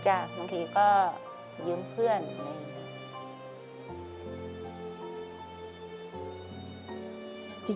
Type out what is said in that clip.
จ้ะบางทีก็เงินเพื่อนอะไรอย่างนี้